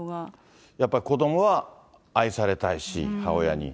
やっぱり子どもは愛されたいし、母親に。